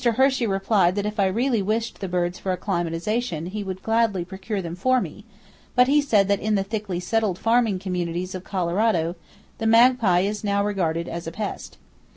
Hershey replied that if I really wished the birds for acclimatization, he would gladly procure them for me; but he said that in the thickly settled farming communities of Colorado, the magpie is now regarded as a pest.